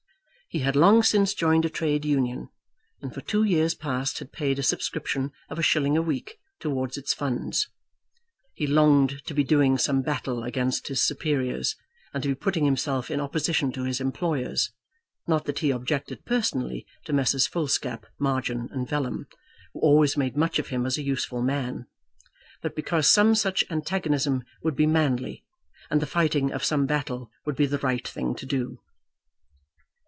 He had long since joined a Trade Union, and for two years past had paid a subscription of a shilling a week towards its funds. He longed to be doing some battle against his superiors, and to be putting himself in opposition to his employers; not that he objected personally to Messrs. Foolscap, Margin, and Vellum, who always made much of him as a useful man; but because some such antagonism would be manly, and the fighting of some battle would be the right thing to do.